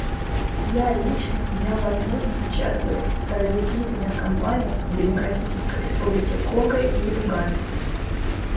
Я лично имел возможность участвовать в разъяснительных кампаниях в Демократической Республике Конго и Уганде.